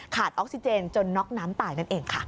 ออกซิเจนจนน็อกน้ำตายนั่นเองค่ะ